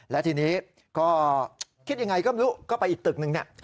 และทีนี้ก็คิดอย่างไรก็ไม่รู้ก็ไปอีกตึกนึง